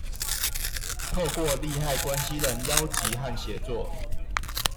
透過利害關係人邀集和協作